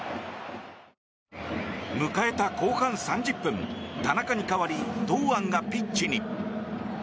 迎えた後半３０分田中に代わり堂安がピッチに。